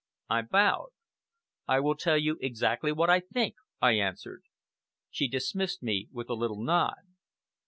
I bowed. "I will tell you exactly what I think," I answered. She dismissed me with a little nod.